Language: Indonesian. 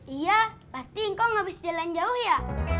iya pasti engkau gak bisa jalanin jauh ya